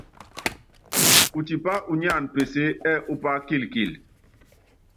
Utipá unyáan peseé ɛ́ɛ upá kilkil.